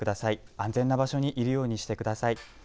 安全な場所にいるようにしてください。